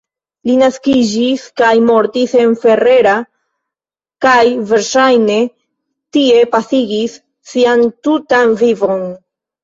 Li naskiĝis kaj mortis en Ferrara, kaj verŝajne tie pasigis sian tutan vivon.